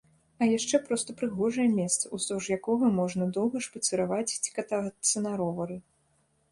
А яшчэ проста прыгожае месца, уздоўж якога можна доўга шпацыраваць ці катацца на ровары.